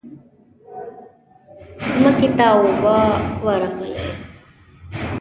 ځمکې ته اوبه ورغلې.